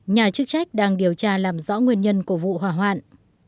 nhà chức trách đang điều tra làm rõ nguyên nhân của vụ hỏa hoạn